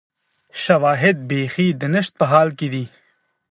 شواهد بیخي د نشت په حال کې دي